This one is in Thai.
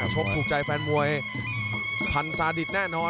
ชบกลุ่มใจแฟนมวยพันธุ์สาดิตแน่นอน